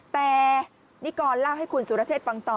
แต่นิกรเล่าให้คุณสุรเชษฐ์ฟังต่อ